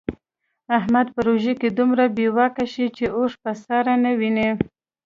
احمد په روژه کې دومره بې واکه شي چې اوښ په ساره نه ویني.